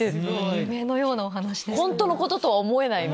夢のようなお話ですね。